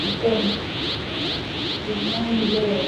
pamoja na nusu saa ya matangazo ya televisheni ya Duniani Leo